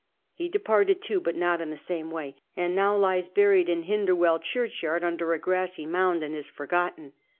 He departed, too, but not in the same way, and now lies buried in Hinderwcll churchyard, under a grassy mound, and is forgotten.